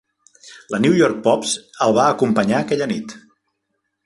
La "New York Pops" el va acompanyar aquella nit.